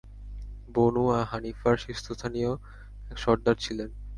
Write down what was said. বনু হানীফার শীর্ষস্থানীয় এক সর্দার ছিলেন।